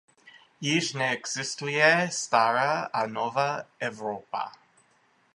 Již neexistuje stará a nová Evropa.